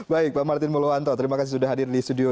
baik pak martin muluanto terima kasih sudah hadir di studio